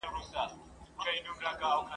د خپل خیال په څرګندونه سره لیکي